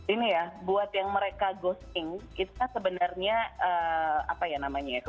ini ya buat yang mereka ghosting itu kan sebenarnya apa ya namanya ya